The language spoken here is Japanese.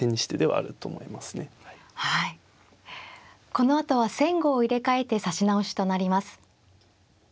このあとは先後を入れ替えて指し直しとなります。